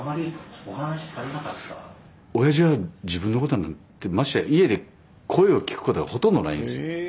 おやじは自分のことなんてましてや家で声を聞くことがほとんどないんですよ。え！？